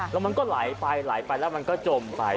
แล้วมันก็ไหลไปไหลไปแล้วมันก็จมไป